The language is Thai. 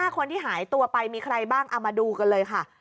คนที่หายตัวไปมีใครบ้างเอามาดูกันเลยค่ะ